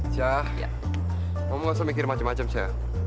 sya kamu nggak usah mikir macem macem sya